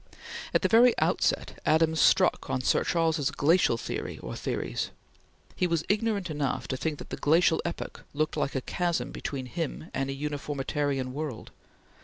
At the very outset Adams struck on Sir Charles's Glacial Theory or theories. He was ignorant enough to think that the glacial epoch looked like a chasm between him and a uniformitarian world.